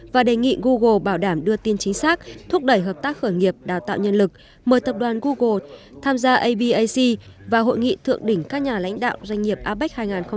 và đề nghị google bảo đảm đưa tin chính xác thúc đẩy hợp tác khởi nghiệp đào tạo nhân lực mời tập đoàn google tham gia abac và hội nghị thượng đỉnh các nhà lãnh đạo doanh nghiệp apec hai nghìn hai mươi